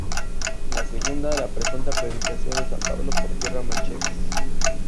La segunda, a la presunta predicación de San Pablo por tierra manchegas.